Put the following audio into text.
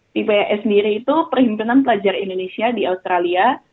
ppia sendiri itu perhimpunan pelajar indonesia di australia